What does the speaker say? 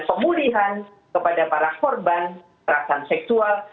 dan pemulihan kepada para korban kekerasan seksual